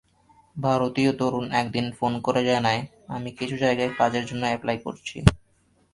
ভারতীয় তরুণ একদিন ফোন করে জানায়, আমি কিছু জায়গায় কাজের জন্য অ্যাপ্লাই করছি।